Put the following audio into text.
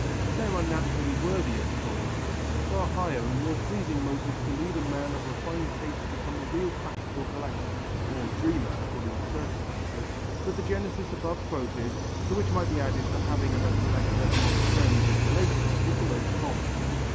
There are naturally worthier causes, far higher and more pleasing motives to lead a man of refined taste to become a real practical collector or dreamer according to circumstances but the genesis above quoted, to which might be added the having of a collector among friends or relations, is the most common.